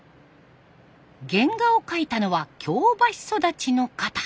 原画を描いたのは京橋育ちの方。